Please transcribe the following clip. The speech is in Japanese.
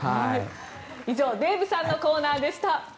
以上デーブさんのコーナーでした。